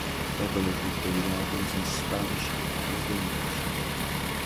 Evan has recorded albums in Spanish and English.